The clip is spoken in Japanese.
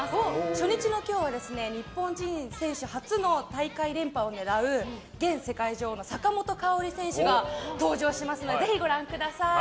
初日の今日は日本人選手初の大会連覇を狙う現世界女王・坂本花織選手が登場しますのでぜひご覧ください。